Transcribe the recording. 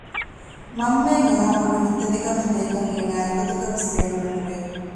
މަންމައަށް އެހާ ބޮޑު ހިތްދަތިކަމެއް ދޭކަށް އޭނާ އެއްގޮތަކަށްވެސް ބޭނުމެއް ނުވެ